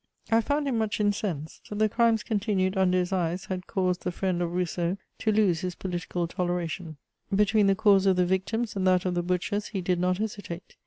I found him much incensed: the crimes continued under his eyes had caused the friend of Rousseau to lose his political toleration; between the cause of the victims and that of the butchers he did not hesitate.